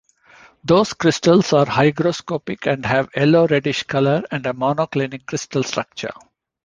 Those crystals are hygroscopic and have yellow-reddish color and a monoclinic crystal structure.